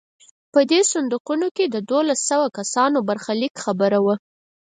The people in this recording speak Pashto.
په دې صندوقونو کې د دولس سوه کسانو د برخلیک خبره وه.